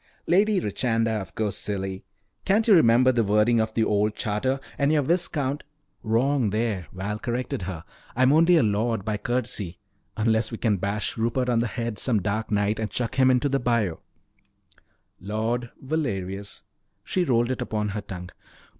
"Lady Richanda, of course, silly. Can't you remember the wording of the old charter? And you're Viscount " "Wrong there," Val corrected her. "I'm only a lord, by courtesy, unless we can bash Rupert on the head some dark night and chuck him into the bayou." "Lord Valerius." She rolled it upon her tongue.